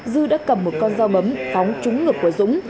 dư đã cầm một con dao bấm phóng trúng ngược của dũng